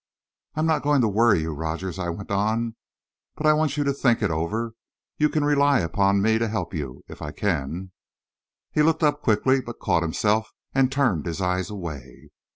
"I'm not going to worry you, Rogers," I went on, "but I want you to think it over. You can rely upon me to help you, if I can." He looked up quickly, but caught himself, and turned his eyes away.